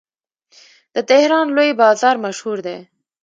د تهران لوی بازار مشهور دی.